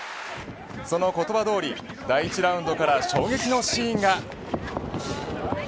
その言葉通り第１ラウンドから衝撃のシーンが。